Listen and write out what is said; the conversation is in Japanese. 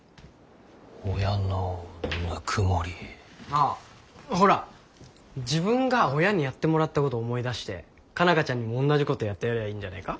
あっほら自分が親にやってもらったことを思い出して佳奈花ちゃんにもおんなじことをやってやりゃあいいんじゃねえか？